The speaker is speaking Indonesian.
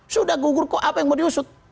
sudah gugur kok apa yang mau diusut